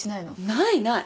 ないない！